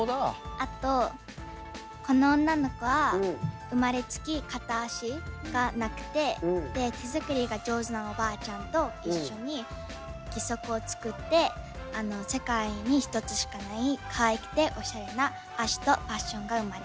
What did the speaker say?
あとこの女の子は生まれつき片足がなくて手作りが上手なおばあちゃんと一緒に義足を作って世界に１つしかないかわいくておしゃれな足とパッションが生まれます。